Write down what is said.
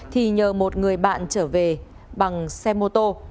thì nhờ một người bạn trở về bằng xe mô tô